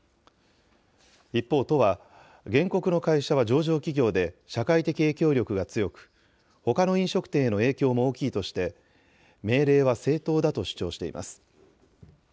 一方、都は、原告の会社は上場企業で社会的影響力が強く、ほかの飲食店への影響も大きいとして、命令は正当だと主張しています。